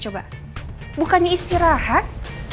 coba bukannya istirahat